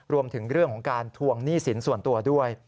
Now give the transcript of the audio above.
รวมถึงเรื่องของการทวงหนี้สินส่วนตัวด้วย